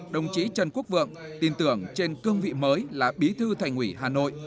đồng chí trần quốc vượng tin tưởng trên cương vị mới là bí thư thành ủy hà nội